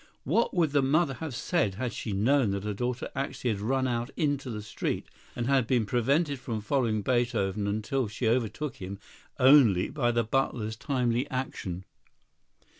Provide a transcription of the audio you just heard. What would the mother have said had she known that her daughter actually had run out into the street, and had been prevented from following Beethoven until she overtook him only by the butler's timely action!